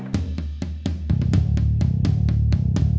aku mau ke sana